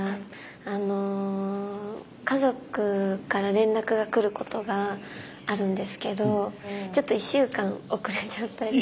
あの家族から連絡が来ることがあるんですけどちょっと１週間遅れちゃったりとか。